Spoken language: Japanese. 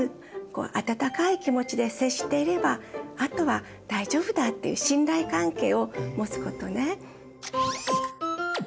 あたたかい気持ちで接していればあとは大丈夫だっていう信頼関係を持つことね。